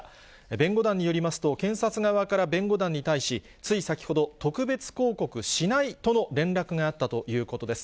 弁護団によりますと、検察側から弁護団に対し、つい先ほど、特別抗告しないとの連絡があったということです。